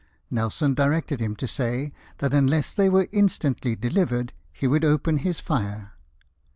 Nelson directed him to say that unless they were instantly delivered he would open his fire.